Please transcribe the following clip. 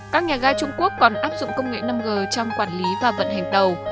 các nhà ga trung quốc còn áp dụng công nghệ năm g trong quản lý và vận hành tàu